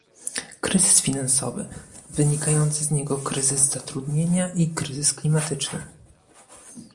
kryzys finansowy, wynikający z niego kryzys zatrudnienia i kryzys klimatyczny